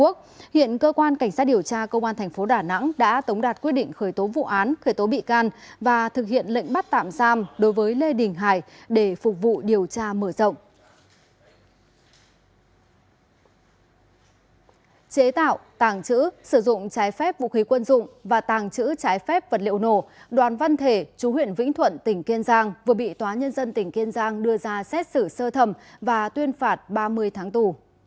chế tạo tàng trữ sử dụng trái phép vũ khí quân dụng và tàng trữ trái phép vật liệu nổ đoàn văn thể chú huyện vĩnh thuận tỉnh kiên giang vừa bị tòa nhân dân tỉnh kiên giang đưa ra xét xử sơ thẩm và tuyên phạt ba mươi tháng tù